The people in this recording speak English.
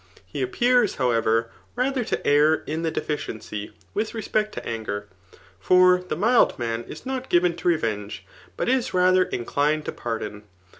He appears, however, rather to err in the defki^cy witjh respect to anger ; for the mild man is not givai to j^ venge, but is rather inclined to pardiMi.